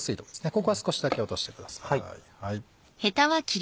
ここは少しだけ落してください。